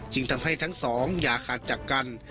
ทำให้ทั้งสองอย่าขาดจากกัน